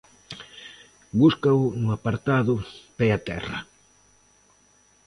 Búscao no apartado 'Pé a terra'.